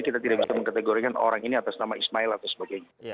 kita tidak bisa mengkategorikan orang ini atas nama ismail atau sebagainya